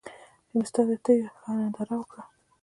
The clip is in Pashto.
چې مې ستا د تېو ښه ننداره وکــړه